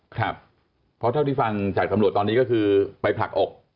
เพราะที่เช็คที่ฟังจากกำลัวกี้ก็คือไปผลักอก